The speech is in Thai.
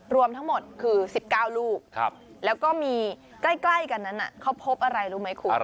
รวมทั้งหมดก็คือ๑๙รูปครับแล้วก็มีใกล้กันเขาพบอะไรรู้มั้ยครู